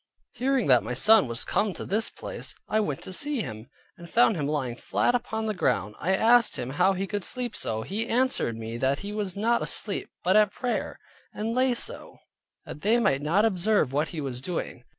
Hearing that my son was come to this place, I went to see him, and found him lying flat upon the ground. I asked him how he could sleep so? He answered me that he was not asleep, but at prayer; and lay so, that they might not observe what he was doing.